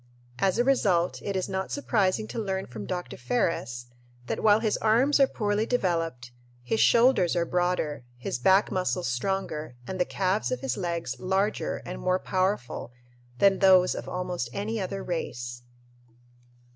As a result, it is not surprising to learn from Dr. Ferris that while his arms are poorly developed, his shoulders are broader, his back muscles stronger, and the calves of his legs larger and more powerful than those of almost any other race.